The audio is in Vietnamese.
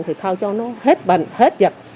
thì thôi cho nó hết bệnh hết dịch